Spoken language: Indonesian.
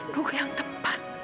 tunggu yang tepat